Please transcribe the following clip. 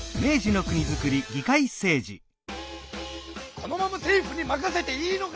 このまま政府に任せていいのか！